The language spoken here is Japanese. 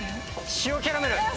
塩キャラメル！